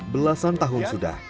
belasan tahun sudah